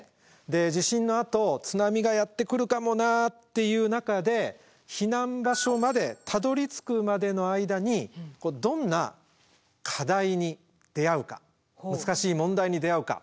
で地震のあと津波がやって来るかもなっていう中で避難場所までたどりつくまでの間にどんな課題に出会うか難しい問題に出会うか。